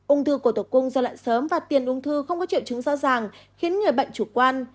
ung thư của tổ cung do lạn sớm và tiền ung thư không có triệu chứng rõ ràng khiến người bệnh chủ quan